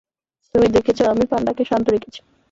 তুমি দেখেছ আমি পান্ডাকে শান্ত রেখেছি।